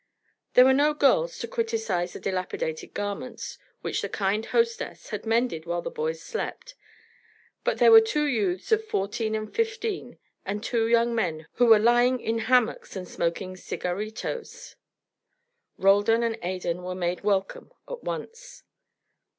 There were no girls to criticise the dilapidated garments which the kind hostess had mended while the boys slept; but there were two youths of fourteen and fifteen and two young men who were lying in hammocks and smoking cigarritos. Roldan and Adan were made welcome at once.